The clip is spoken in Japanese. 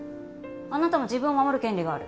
あなたも自分を守る権利がある。